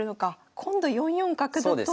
今度４四角だと。